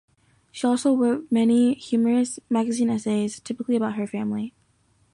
She also wrote many humorous magazine essays, typically about her family.